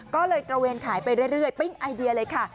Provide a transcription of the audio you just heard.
ก็เลยตระเวนขายไปเรื่อยปิ้งไอเดียเลยค่ะ